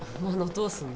どうすんの？